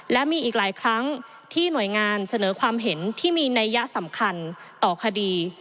และมีอีกหลายครั้งที่หน่วยงานเสนอความเห็นที่มีนัยยะสำคัญต่อคดี